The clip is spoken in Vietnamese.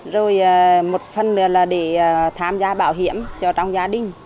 rồi một phần nữa là để tham gia bảo hiểm cho trong gia đình